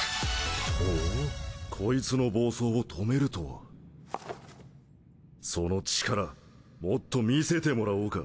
ほおこいつの暴走を止めるとはその力もっと見せてもらおうか！